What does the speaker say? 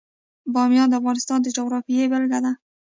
بامیان د افغانستان د جغرافیې بېلګه ده.